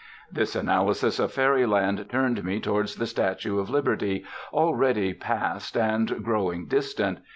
This analysis of fairyland turned me towards the statue of Liberty, already passed and growing distant.